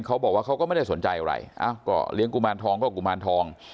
เขาก็ไม่ได้สนใจอะไรอ้าวก็เลี้ยงกุมารทองก็กุมารทอง